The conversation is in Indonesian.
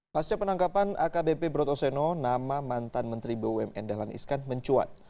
pasca penangkapan akbp brotoseno nama mantan menteri bumn dahlan iskan mencuat